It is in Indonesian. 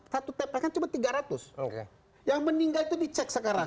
satu tps kan cuma tiga ratus yang meninggal itu dicek sekarang